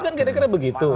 kan kira kira begitu